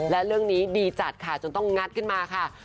และเรื่องนี้ดีจัดค่ะจนต้องงัดขึ้นมาค่ะ